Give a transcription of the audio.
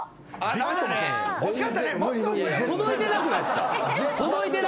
届いてなくないですか？